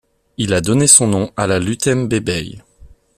Il a donné son nom à la Lutembe Bay.